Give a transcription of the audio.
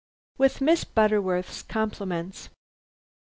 WITH MISS BUTTERWORTH'S COMPLIMENTS.